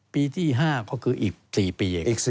ปีที่๕ก็คืออีก๔ปี